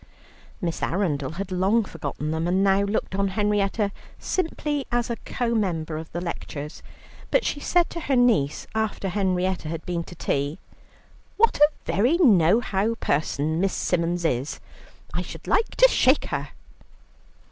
Miss Arundel had long forgotten them, and now looked on Henrietta simply as a co member of the lectures, but she said to her niece after Henrietta had been to tea, "What a very no how person Miss Symons is; I should like to shake her."